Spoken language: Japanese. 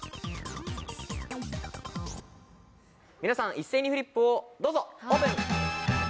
皆さん一斉にフリップをどうぞオープン！